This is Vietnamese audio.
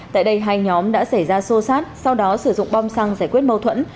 tại đây hai nhóm đã xảy ra xô xát sau đó sử dụng bom xăng giải quyết mâu thuẫn